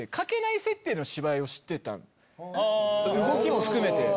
動きも含めて。